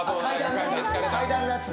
階段のやつね。